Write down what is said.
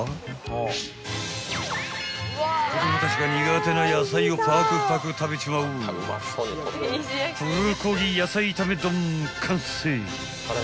［子供たちが苦手な野菜をパクパク食べちまうプルコギ野菜炒め丼完成！］